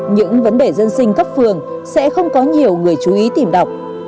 những vấn đề dân sinh cấp phường sẽ không có nhiều người chú ý tìm đọc